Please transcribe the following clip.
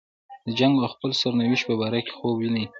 د جنګ او خپل سرنوشت په باره کې خوب ویني.